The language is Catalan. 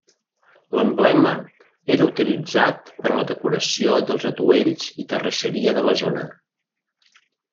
L'emblema era utilitzat per a la decoració dels atuells i terrisseria de la zona.